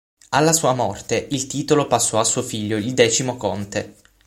Alla sua morte il titolo passò a suo figlio, il decimo conte.